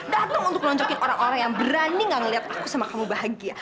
dateng untuk lonjokin orang orang yang berani gak ngeliat aku sama kamu bahagia